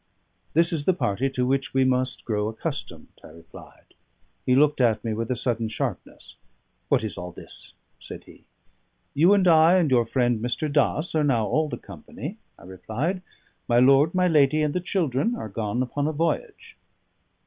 "This is the party to which we must grow accustomed," I replied. He looked at me with a sudden sharpness. "What is all this?" said he. "You and I and your friend Mr. Dass are now all the company," I replied. "My lord, my lady, and the children are gone upon a voyage."